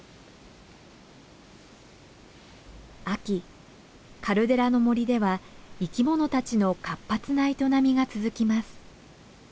秋カルデラの森では生き物たちの活発な営みが続きます。